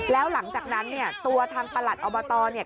แล้วหลังจากนั้นเนี่ยตัวทางประหลัดอบตเนี่ย